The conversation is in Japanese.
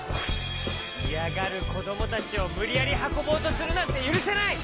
いやがるこどもたちをむりやりはこぼうとするなんてゆるせない！